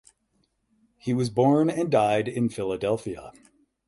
He was born and died in Philadelphia.